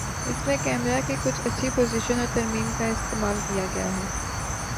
اس میں کیمرہ کی کچھ اچھی پوزیشن اور ترمیم کا استعمال کیا گیا ہے